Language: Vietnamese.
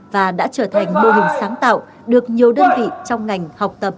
và đã trở thành mô hình sáng tạo được nhiều đơn vị trong ngành học tập triển khai